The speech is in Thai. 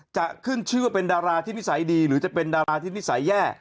จะขึ้นชื่อว่าเป็นดาราที่นิสัยดีหรือจะเป็นดาราที่นิสัยแย่